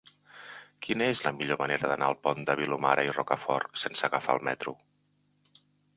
Quina és la millor manera d'anar al Pont de Vilomara i Rocafort sense agafar el metro?